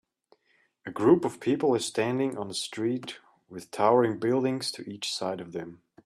A group of people is standing on a street with towering buildings to each side of them.